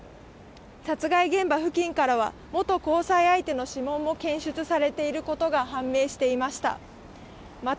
殺害現場付近からは元交際相手の指紋も検出されていることが判明していました。